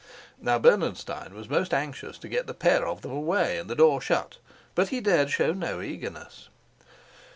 Now Bernenstein was most anxious to get the pair of them away and the door shut, but he dared show no eagerness.